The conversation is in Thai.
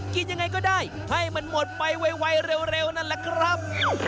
กินยังไงก็ได้ให้มันหมดไปไวเร็วนั่นแหละครับ